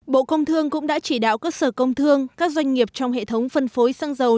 bộ công thương cũng đã chỉ đạo các sở công thương các doanh nghiệp trong hệ thống phân phối xăng dầu